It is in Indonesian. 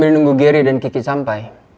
biarin nunggu gary dan kiki sampai